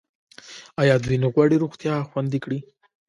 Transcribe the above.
آیا دوی نه غواړي روغتیا خوندي کړي؟